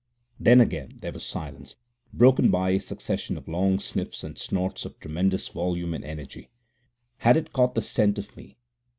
Then again there was silence, broken by a succession of long sniffs and snorts of tremendous volume and energy. Had it caught the scent of me?